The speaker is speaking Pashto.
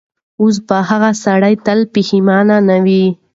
اوس به هغه سړی تل پښېمانه وي.